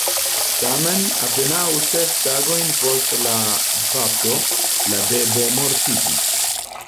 Tamen, apenaŭ ses tagojn post la bapto, la bebo mortiĝis.